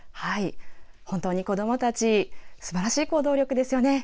本当に子どもたちすばらしい行動力ですよね。